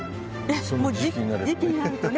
その時期になるとね。